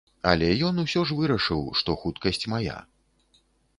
Але ён усё ж вырашыў, што хуткасць мая.